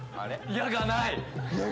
・「や」がない！